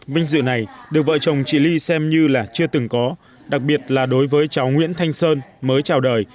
vinh dự này được vợ chồng chị ly xem như là chưa từng có đặc biệt là đối với cháu nguyễn thanh sơn mới chào đời